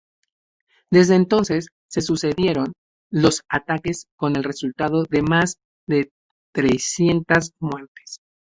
Desde entonces se sucedieron los ataques con el resultado de más de trescientas muertes.